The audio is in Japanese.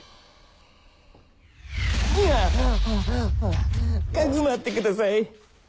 ハァハァかくまってください